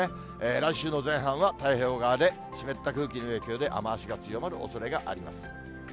来週の前半は太平洋側で湿った空気の影響で、雨足が強まるおそれがあります。